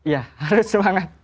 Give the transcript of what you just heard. ya harus semangat